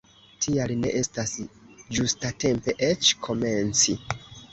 Tial ne estas ĝustatempe eĉ komenci!